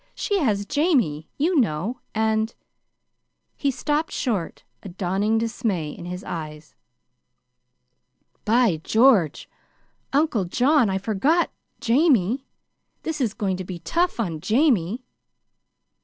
She has Jamie, you know, and " He stopped short, a dawning dismay in his eyes. "By George! Uncle John, I forgot Jamie. This is going to be tough on Jamie!"